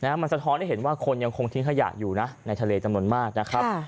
มันสะท้อนให้เห็นว่าคนยังคงทิ้งขยะอยู่นะในทะเลจำนวนมากนะครับ